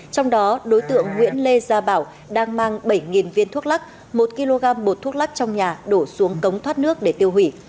trong đó đối tượng nguyễn lê gia bảo đang mang bảy viên thuốc lắc một kg bột thuốc lắc trong nhà đổ xuống cống thoát nước để tiêu hủy